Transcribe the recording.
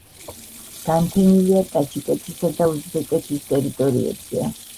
განფენილია ტაჯიკეთისა და უზბეკეთის ტერიტორიებზე.